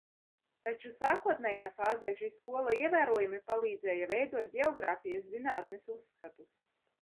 Taču sākotnējā fāzē šī skola ievērojami palīdzēja veidot ģeogrāfijas zinātnes uzskatus.